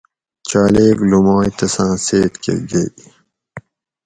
چالیک لومائ تساں سیٔت کہۤ گئ